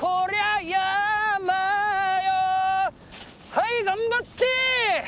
はい頑張って！